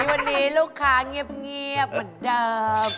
วันนี้ลูกค้าเงียบเหมือนเดิม